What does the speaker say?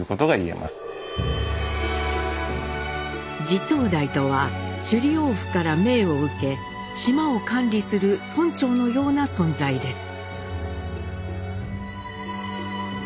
地頭代とは首里王府から命を受け島を管理する村長のような存在です。